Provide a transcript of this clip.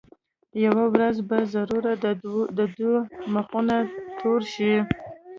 یوه ورځ به ضرور د دوه مخو مخونه تور شي.